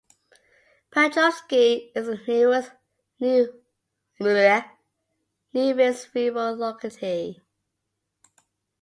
Petrovsky is the nearest rural locality.